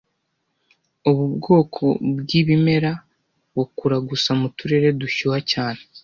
Ubu bwoko bwibimera bukura gusa mu turere dushyuha cyane